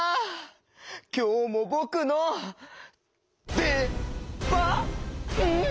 きょうもぼくのでばん？